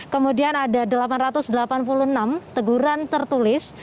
kemudian ada delapan ratus delapan puluh enam teguran tertulis